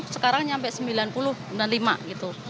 sekarang sampai sembilan puluh sembilan puluh lima gitu